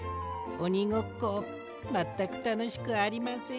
おにごっこまったくたのしくありません。